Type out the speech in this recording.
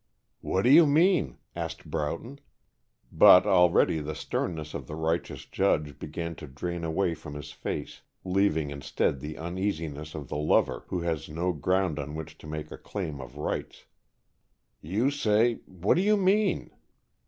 "What do you mean?" asked Broughton. But already the sternness of the righteous judge began to drain away from his face, leaving instead the uneasiness of the lover who has no ground on which to make a claim of rights. "You say what do you mean?"